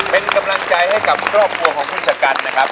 เป็นกำลังใจให้กับครอบครัวของคุณชะกันนะครับ